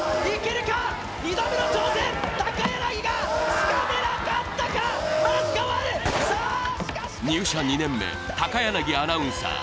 ２度目の挑戦、高柳がつかめなかったか入社２年目、高柳アナウンサ−。